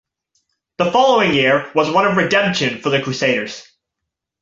The following year was one of redemption for the Crusaders.